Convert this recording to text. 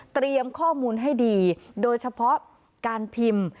เตรียมข้อมูลให้ดีโดยเฉพาะการพิมพ์